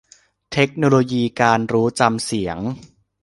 เทคโนโลยีการรู้จำเสียง